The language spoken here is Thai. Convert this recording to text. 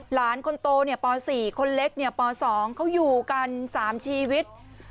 หลานคนโตป๔คนเล็กป๒เขาอยู่กัน๓ชีวิต